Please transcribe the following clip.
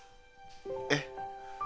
えっ。